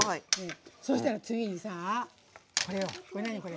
そうしたら次に、これ何これ。